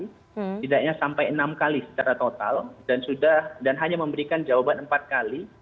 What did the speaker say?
setidaknya sampai enam kali secara total dan hanya memberikan jawaban empat kali